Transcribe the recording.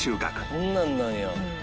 こんなんなんや。